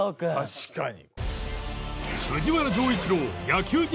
確かに。